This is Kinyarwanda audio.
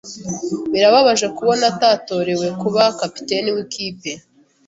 Birababaje kubona atatorewe kuba kapiteni wikipe.